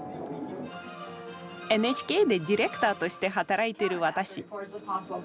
ＮＨＫでディレクターとして働いている私。